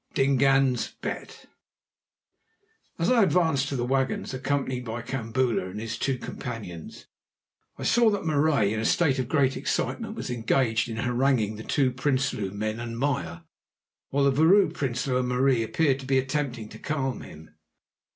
DINGAAN'S BET As I advanced to the wagons accompanied by Kambula and his two companions, I saw that Marais, in a state of great excitement, was engaged in haranguing the two Prinsloo men and Meyer, while the Vrouw Prinsloo and Marie appeared to be attempting to calm him.